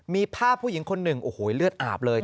มีภาพผู้หญิงคนหนึ่งโอ้โหเลือดอาบเลย